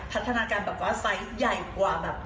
พัฒนาการแบบว่าไซส์ใหญ่กว่าแบบ